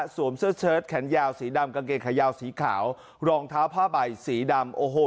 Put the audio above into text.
เสื้อเชิดแขนยาวสีดำกางเกงขายาวสีขาวรองเท้าผ้าใบสีดำโอ้โห